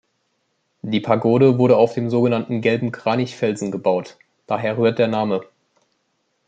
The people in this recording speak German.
Die Pagode wurde auf dem sogenannten „Gelben Kranich Felsen“ gebaut, daher rührt der Name.